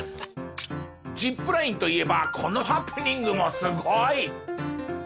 ジップラインといえばこのハプニングもすごい！